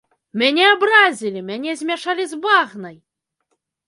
Мяне абразілі, мяне змяшалі з багнай!